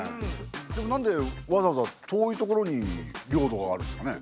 でもなんでわざわざ遠いところに領土があるんですかね？